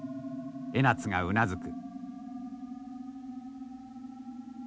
江夏がうなずく。